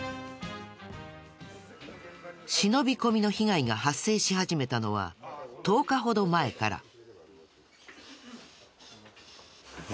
忍び込みの被害が発生し始めたのは１０日ほど前から。